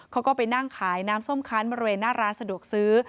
เขาก็ไปนั่งขายน้ำส้มคันบริเวณหน้าร้านสะดวกซื้อ